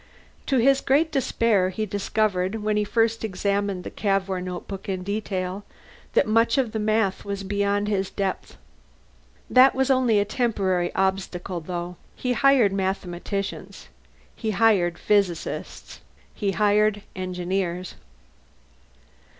To his great despair he discovered, when he first examined the Cavour notebook in detail, that much of the math was beyond his depth. That was only a temporary obstacle, though. He hired mathematicians. He hired physicists. He hired engineers.